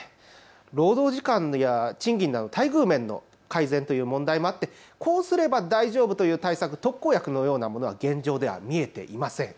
労働時間や賃金など待遇面の改善という問題もあって、こうすれば大丈夫という対策、特効薬のようなものは現状では見えていません。